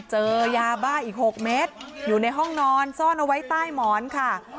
เจอยาบ้าอีก๖เมตรอยู่ในห้องนอนซ่อนเอาไว้ใต้หมอนค่ะ